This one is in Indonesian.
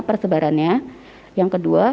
persebarannya yang kedua